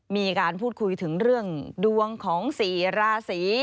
มีการพูดคุยถึงเรื่องดวงของ๔ราศี